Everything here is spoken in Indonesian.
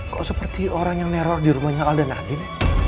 kok seperti orang yang neror di rumahnya aldan adin